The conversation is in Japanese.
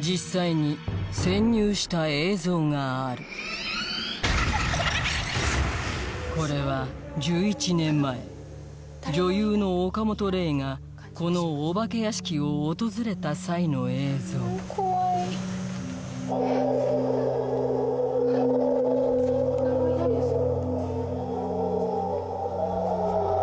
実際に潜入した映像があるこれは１１年前女優の岡本玲がこのお化け屋敷を訪れた際の映像怖い誰もいないですよ